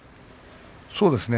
そうですね。